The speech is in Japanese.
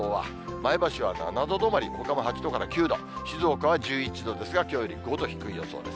前橋は７度止まり、ほかも８度から９度、静岡は１１度ですが、きょうより５度低い予想です。